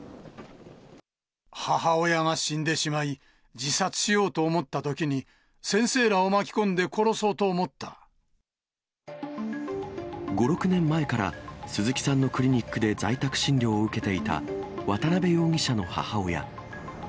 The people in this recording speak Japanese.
母親が死んでしまい、自殺しようと思ったときに、先生らを巻き込んで殺そうと思っ５、６年前から、鈴木さんのクリニックで在宅診療を受けていた渡辺容疑者の母親。